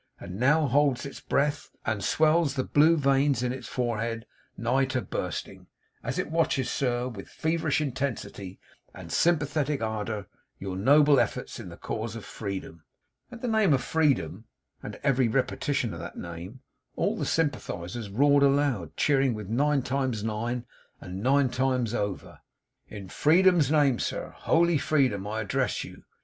and now holds its breath, and swells the blue veins in its forehead nigh to bursting, as it watches, sir, with feverish intensity and sympathetic ardour, your noble efforts in the cause of Freedom."' At the name of Freedom, and at every repetition of that name, all the Sympathisers roared aloud; cheering with nine times nine, and nine times over. '"In Freedom's name, sir holy Freedom I address you.